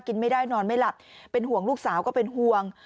กินไม่ได้นอนไม่หลับเป็นห่วงลูกสาวก็เป็นห่วง